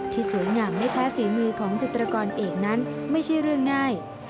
สวยงามไม่แพ้ฝีมือของจิตรกรเอกนั้นไม่ใช่เรื่องง่าย